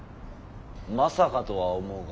まさかとは思うが。